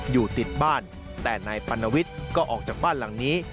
อยู่ติดบ้านแต่นายปัณวิทย์ก็ออกจากบ้านหลังนี้